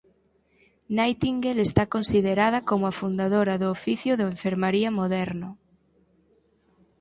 Nightingale está considerada como a fundadora do oficio de enfermaría moderno.